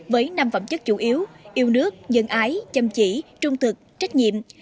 với năm phẩm chất chủ yếu yêu nước nhân ái chăm chỉ trung thực trách nhiệm